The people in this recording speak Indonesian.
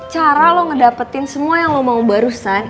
cara lo ngedapetin semua yang lo mau barusan